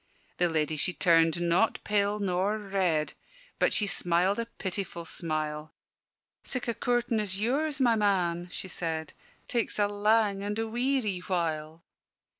The ladye she turned not pale nor red, But she smiled a pitiful smile: "Sic' a coortin' as yours, my man," she said "Takes a lang and a weary while!"